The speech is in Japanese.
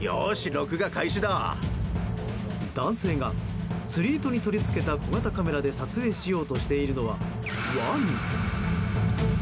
男性が釣り糸に取り付けた小型カメラで撮影しようとしているのはワニ。